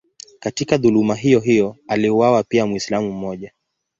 Katika dhuluma hiyohiyo aliuawa pia Mwislamu mmoja.